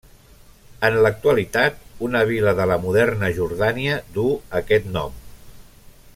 En l'actualitat, una vila de la moderna Jordània duu aquest nom.